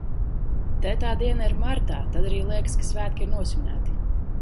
Te tā diena ir martā, tad arī liekas, ka svētki ir nosvinēti.